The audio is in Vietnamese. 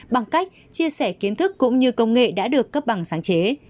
bằng cách chia sẻ kiến thức cũng như công nghệ đã được cấp bằng sáng chế